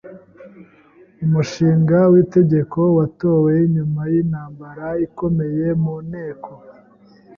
Umushinga w'itegeko watowe nyuma y'intambara ikomeye mu Nteko.